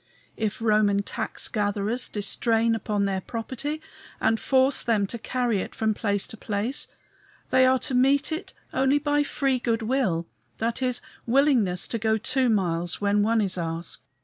If Roman tax gatherers distrain upon their property and force them to carry it from place to place, they are to meet it only by free good will, that is, willingness to go two miles when one is asked.